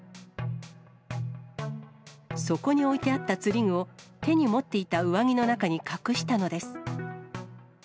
そこに置いてあった釣り具を、手に持っていた上着の中に隠したのです。